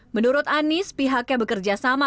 menurut anies pihaknya bekerja sama